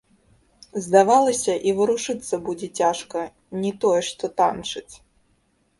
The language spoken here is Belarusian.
Здавалася, і варушыцца будзе цяжка, не тое што танчыць.